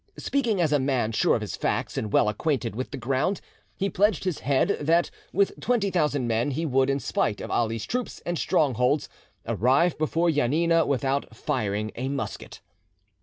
Speaking as a man sure of his facts and well acquainted with the ground, he pledged his head that with twenty thousand men he would, in spite of Ali's troops and strongholds, arrive before Janina without firing a musket.